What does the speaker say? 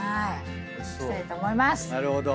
行きたいと思います！